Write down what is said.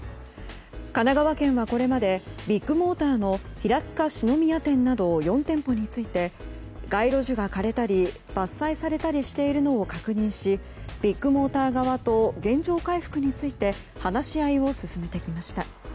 神奈川県は、これまでビッグモーターの平塚四之宮店など４店舗について街路樹が枯れたり伐採されたりしているのを確認しビッグモーター側と原状回復について話し合いを進めてきました。